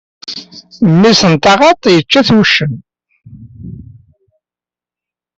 Mmi-s n taɣaḍt, yečča-t wuccen.